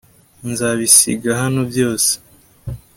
Nzabisiga hano byose